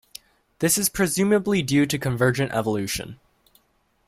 This is presumably due to convergent evolution.